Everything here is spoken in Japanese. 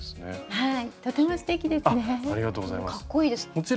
はい。